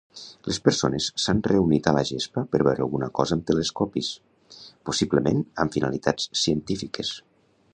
Les persones s'han reunit a la gespa per veure alguna cosa amb telescopis, possiblement amb finalitats científiques.